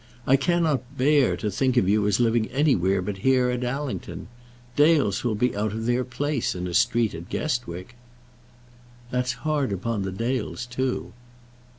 I cannot bear to think of you as living anywhere but here at Allington. Dales will be out of their place in a street at Guestwick." "That's hard upon the Dales, too."